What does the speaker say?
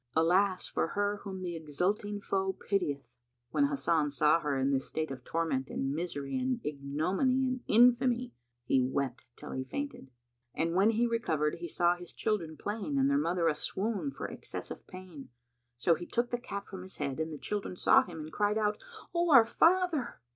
Alas for her whom the exulting foe pitieth!" When Hasan saw her in this state of torment and misery and ignominy and infamy, he wept till he fainted; and when he recovered he saw his children playing and their mother aswoon for excess of pain; so he took the cap from his head and the children saw him and cried out, "O our father!"